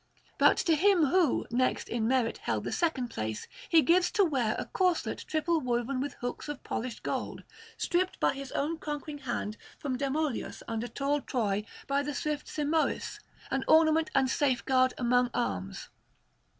But to him who, next in merit, held the second place, he gives to wear a corslet triple woven with hooks of polished gold, stripped by his own conquering hand from Demoleos under tall Troy by the swift Simoïs, an ornament and safeguard among arms.